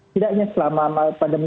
tidaknya selama pandemi